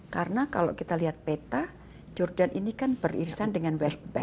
karena kalau kita lihat peta jordan ini kan beririsan dengan west bank